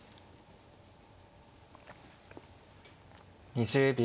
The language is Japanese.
２０秒。